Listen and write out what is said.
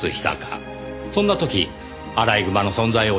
そんな時アライグマの存在を知ったのです。